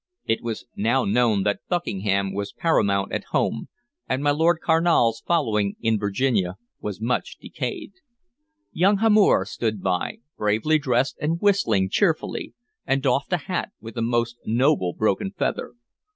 It was known now that Buckingham was paramount at home, and my Lord Carnal's following in Virginia was much decayed. Young Hamor strode by, bravely dressed and whistling cheerily, and doffed a hat with a most noble broken feather.